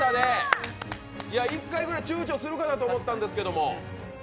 一回ぐらいちゅうちょするかなと思ったんですけど。